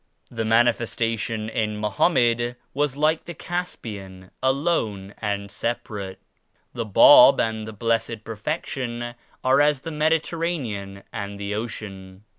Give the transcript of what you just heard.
The Manifesta tion in Mohammed was like the Caspian, alone and separate. The Bab and the Blessed Perfec tion are as the Mediterranean and the Ocean.